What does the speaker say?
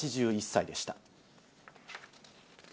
８１歳でした。